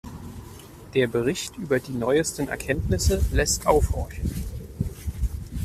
Der Bericht über die neuesten Erkenntnisse lässt aufhorchen.